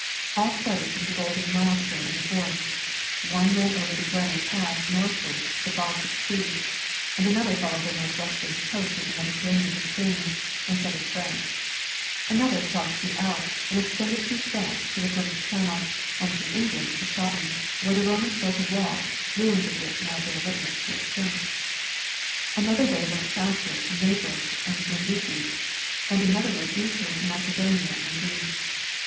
All started from the golden mile stone in the forum ; one ran over the Brenner pass northeastward to the Baltic sea, another followed the northwestern coast of the Mediterranean to Spain and southern France, another crossed the Alps and ex tended through France to the British channel and through Eng land to Scotland, where the Romans built a wall, ruins of which now bear witness to its strength. Another way went southward to Naples and Brindisi, and another led eastward to Macedonia and Greece.